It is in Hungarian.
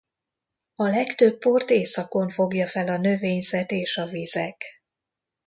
A legtöbb port északon fogja fel a növényzet és a vizek.